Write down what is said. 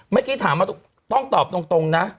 ไม่คิดถามมาต้องตอบตรงนะ